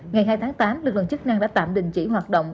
ngày hai tháng tám lực lượng chức năng đã tạm đình chỉ hoạt động